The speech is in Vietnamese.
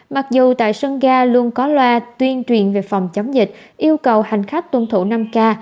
mặc dù tại sân ga luôn có loa tuyên truyền về phòng chống dịch yêu cầu hành khách tuân thủ năm k